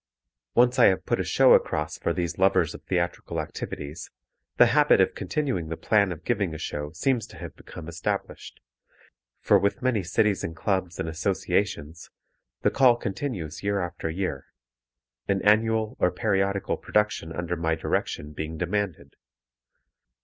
Once I have put a show across for these lovers of theatrical activities, the habit of continuing the plan of giving a show seems to have become established, for with many cities and clubs and associations the call continues year after year, an annual or periodical production under my direction being demanded.